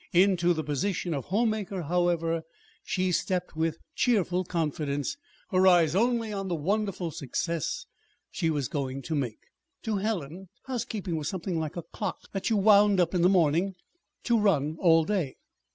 Into the position of home maker, however, she stepped with cheerful confidence, her eyes only on the wonderful success she was going to make. To Helen housekeeping was something like a clock that you wound up in the morning to run all day.